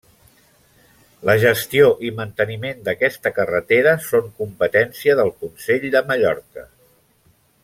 La gestió i manteniment d'aquesta carretera són competència del Consell de Mallorca.